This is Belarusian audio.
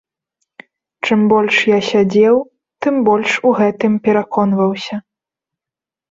Чым больш я сядзеў, тым больш у гэтым пераконваўся.